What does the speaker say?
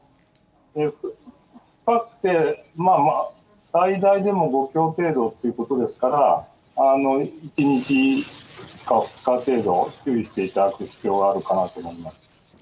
深くて最大でも５強程度ということですから１日か２日程度注意していただく必要があるかなと思います。